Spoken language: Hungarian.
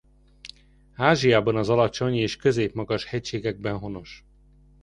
Ázsiában az alacsony és középmagas hegységekben honos.